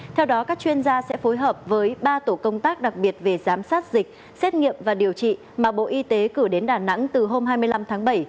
theo đó các chuyên gia sẽ phối hợp với ba tổ công tác đặc biệt về giám sát dịch xét nghiệm và điều trị mà bộ y tế cử đến đà nẵng từ hôm hai mươi năm tháng bảy